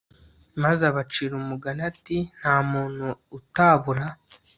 Maze abacira umugani ati Nta muntu utabura